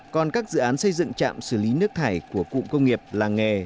còn các dự án xây dựng trạm xử lý nước thải của cụm công nghiệp làng nghề